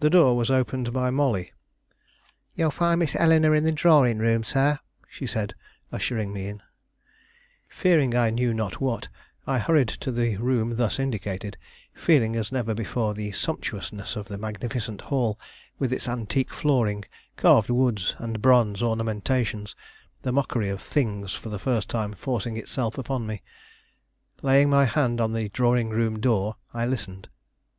The door was opened by Molly. "You will find Miss Eleanore in the drawing room, sir," she said, ushering me in. Fearing I knew not what, I hurried to the room thus indicated, feeling as never before the sumptuousness of the magnificent hall with its antique flooring, carved woods, and bronze ornamentations: the mockery of things for the first time forcing itself upon me. Laying my hand on the drawing room door, I listened.